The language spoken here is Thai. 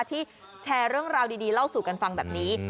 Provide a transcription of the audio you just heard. ที่แชร์เรื่องราวดีเล่าสู่กันฟังแบบนี้